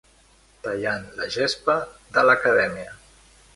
Tallant la gespa de l'Academia.